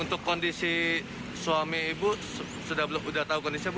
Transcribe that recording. untuk kondisi suami ibu sudah tahu kondisinya bu